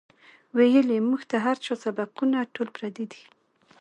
وئیلـي مونږ ته هـر چا سبقــونه ټول پردي دي